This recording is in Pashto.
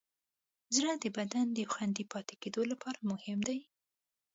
زړه د بدن د خوندي پاتې کېدو لپاره مهم دی.